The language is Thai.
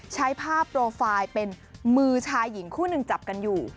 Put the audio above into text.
ใช้ภาพโปรไฟล์เป็นมือชายหญิงคู่หนึ่งจับกันอยู่